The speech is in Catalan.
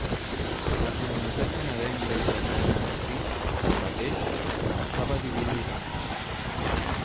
La comunitat canadenca italiana en si, tanmateix, estava dividida.